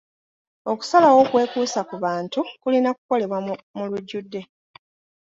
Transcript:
Okusalawo okwekuusa ku bantu kulina kukolebwa mu lujjudde.